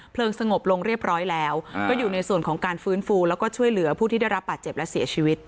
สงบลงเรียบร้อยแล้วก็อยู่ในส่วนของการฟื้นฟูแล้วก็ช่วยเหลือผู้ที่ได้รับบาดเจ็บและเสียชีวิต